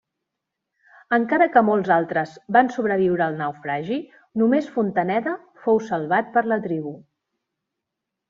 Encara que molts altres van sobreviure al naufragi, només Fontaneda fou salvat per la tribu.